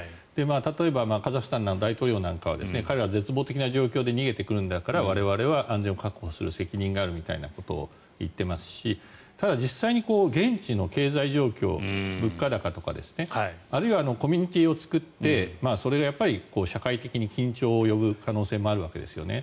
例えば、カザフスタンの大統領なんかは彼らは絶望的な状況で逃げてくるんだから我々は安全を確保する責任があるんだみたいなことを言っていますしただ、実際に現地の経済状況、物価高とかあるいはコミュニティーを作ってそれが社会的に緊張を呼ぶ可能性もあるわけですね。